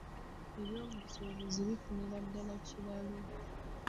Eby'obusuubuzi bifunira ddala kiralu.